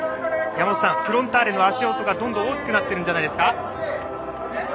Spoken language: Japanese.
山本さん、フロンターレの足音がどんどん大きくなってるんじゃないですか。